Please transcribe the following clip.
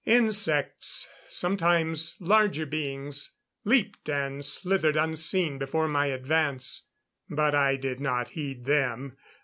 Insects and sometimes larger beings leaped and slithered unseen before my advance. But I did not heed them.